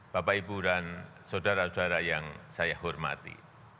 bapak ibu dan saudara saudara yang saya hormati